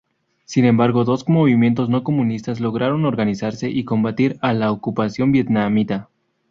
Sin embargo, dos movimientos no-comunistas lograron organizarse y combatir a la ocupación vietnamita.